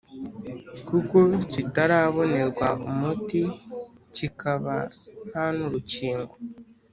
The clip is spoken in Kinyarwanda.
kuko kitarabonerwa umuti kikaba nta nurukingo